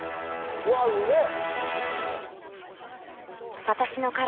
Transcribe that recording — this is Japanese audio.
うわっうめえ！